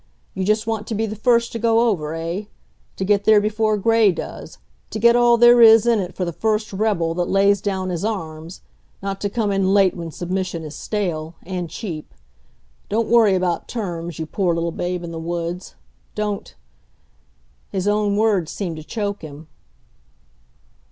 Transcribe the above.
You just want to be the first to go over, eh? To get there before Gray does to get all there is in it for the first rebel that lays down his arms; not to come in late when submission is stale and cheap. Don't worry about terms, you poor little babe in the woods. Don't " His own words seemed to choke him.